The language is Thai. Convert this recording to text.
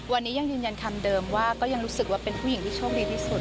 วันนี้ยังยืนยันคำเดิมว่าก็ยังรู้สึกว่าเป็นผู้หญิงที่โชคดีที่สุด